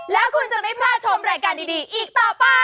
แล้วคุณจะไม่พลาดชมรายการดีอีกต่อไป